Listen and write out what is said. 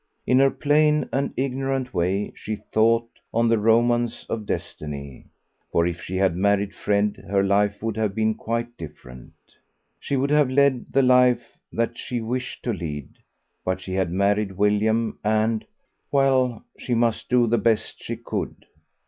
In her plain and ignorant way she thought on the romance of destiny. For if she had married Fred her life would have been quite different. She would have led the life that she wished to lead, but she had married William and well, she must do the best she could.